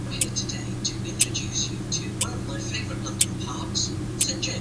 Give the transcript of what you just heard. His mother was Hamautal, daughter of Jeremiah of Libnah.